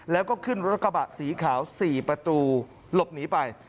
แล้วก็ขึ้นรถกระบะสีขาว๔ประตูหลบหนีไป